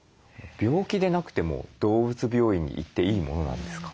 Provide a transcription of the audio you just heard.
病気でなくても動物病院に行っていいものなんですか？